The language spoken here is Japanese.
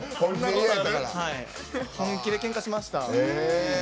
本気で、けんかしました。